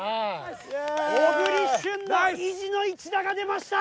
小栗旬の意地の一打が出ました！